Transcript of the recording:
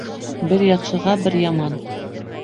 Бер яҡшыға бер яман